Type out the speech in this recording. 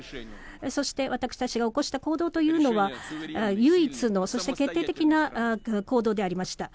そして、私たちが起こした行動というのは唯一の、そして決定的な行動でありました。